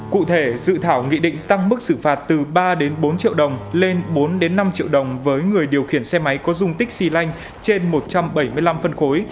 cụ thể dự thảo nghị định tăng mức xử phạt từ ba bốn triệu đồng lên bốn năm triệu đồng với người điều khiển xe máy có dung tích xy lanh trên một trăm bảy mươi năm phân khối